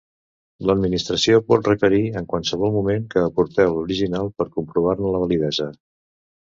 L'Administració pot requerir, en qualsevol moment, que aporteu l'original per comprovar-ne la validesa.